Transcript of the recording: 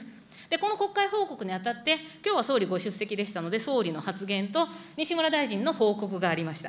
この国会報告にあたって、きょうは総理ご出席でしたので、総理の発言と西村大臣の報告がありました。